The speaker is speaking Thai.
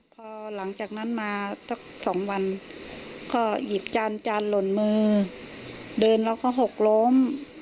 พอหลังจากนั้นมาสักสองวันก็หยิบจานจานหล่นมือเดินแล้วก็หกล้ม